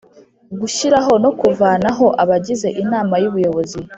Gushyiraho no kuvanaho abagize inama y ubuyobozi